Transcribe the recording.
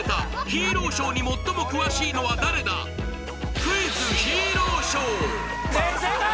「ヒーローショー」に最も詳しいのは誰だ全員正解！